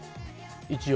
一応。